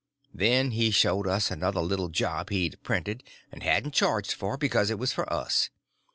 Then he showed us another little job he'd printed and hadn't charged for, because it was for us.